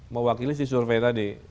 mewakili si survei tadi